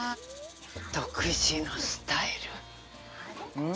独自のスタイルはあ。